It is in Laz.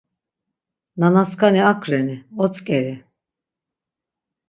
Nana skani ak reni, otzǩeri?